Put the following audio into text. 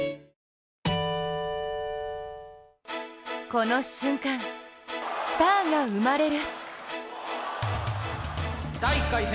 この瞬間、スターが生まれる。